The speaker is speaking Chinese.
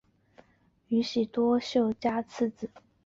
宇喜多秀家次子。